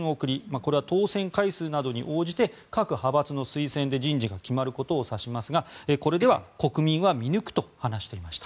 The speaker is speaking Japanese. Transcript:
これは当選回数などに応じて各派閥の推薦で人事が決まることを指しますがこれでは国民は見抜くと話していました。